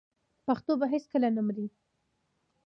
پښتو به هیڅکله نه مري.